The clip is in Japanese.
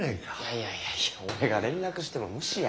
いやいやいやいや俺が連絡しても無視やろ。